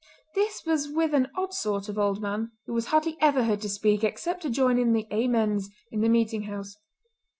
This was with an odd sort of old man who was hardly ever heard to speak except to join in the "Amens" in the meeting house.